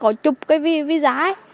có chụp cái visa ấy